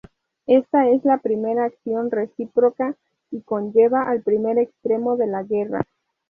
Esta es la primera acción reciproca, y conlleva al primer extremo de la guerra.